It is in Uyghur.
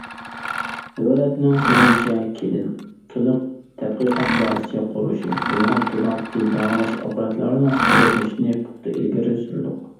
دۆلەتنىڭ جۇڭيىچە كىلىنىكىلىق تەتقىقات بازىسى قۇرۇلۇشى، ئۇيغۇر تېبابىتى داۋالاش ئاپپاراتلىرىنىڭ قۇرۇلۇشىنى پۇختا ئىلگىرى سۈردۇق.